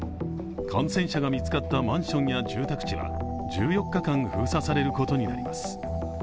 感染者が見つかったマンションや住宅地は１４日間封鎖されることになります。